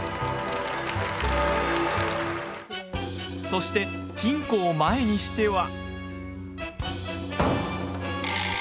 そして、金庫を前にしては。